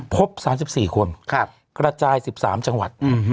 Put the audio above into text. พบ๓๔คนกระจาย๑๓จังหวัด